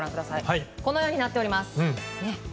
このようになっております。